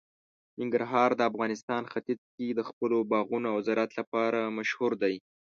ننګرهار د افغانستان ختیځ کې د خپلو باغونو او زراعت لپاره مشهور دی.